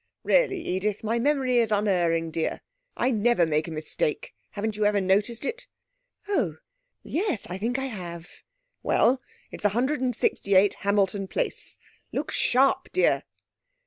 'Really. Edith!... My memory is unerring, dear. I never make a mistake. Haven't you ever noticed it?' 'A oh yes I think I have.' 'Well, it's 168 Hamilton Place. Look sharp, dear.'